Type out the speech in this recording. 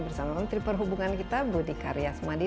bersama menteri perhubungan kita budi karyas madi